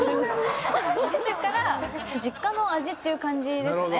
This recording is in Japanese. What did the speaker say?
実家の味っていう感じですね。